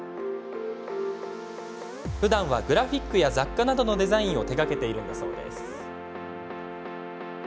ふだんは、グラフィックや雑貨などのデザインを手がけているんだそうです。